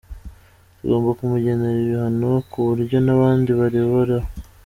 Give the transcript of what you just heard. Tugomba kumugenera ibihano ku buryo n’abandi bareberaho.